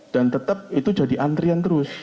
dan tetap itu jadi antrian terus